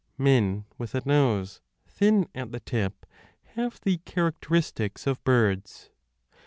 Men with a nose thin at the tip have the characteristics of birds.